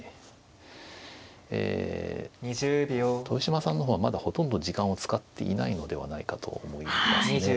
豊島さんの方はまだほとんど時間を使っていないのではないかと思いますね。